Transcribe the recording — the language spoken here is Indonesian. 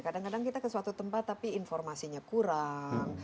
kadang kadang kita ke suatu tempat tapi informasinya kurang